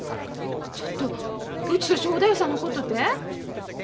ちょっとうちと正太夫さんのことて？